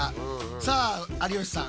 さあ有吉さん